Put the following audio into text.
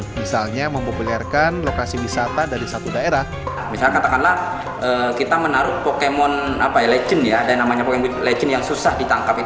ketika pemain game ini membuat penumpang seperti menaruh pokemon di tempat yang susah di tangkap